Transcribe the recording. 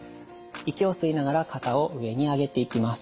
息を吸いながら肩を上に上げていきます。